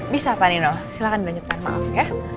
bisa panino silahkan ditanyakan maaf ya